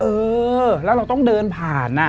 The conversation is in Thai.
เออแล้วเราต้องเดินผ่าน